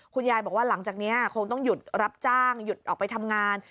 คุณยายบอกว่าหลังจากนี้คงต้องหยุดรับจ้างหยุดออกไปทำงาน